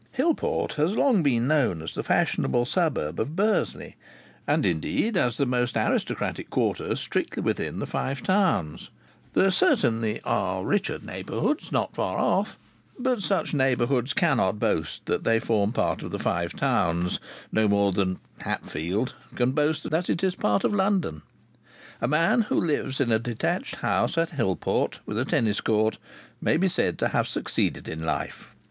Hillport has long been known as the fashionable suburb of Bursley, and indeed as the most aristocratic quarter strictly within the Five Towns; there certainly are richer neighbourhoods not far off, but such neighbourhoods cannot boast that they form part of the Five Towns no more than Hatfield can boast that it is part of London. A man who lives in a detached house at Hillport, with a tennis court, may be said to have succeeded in life.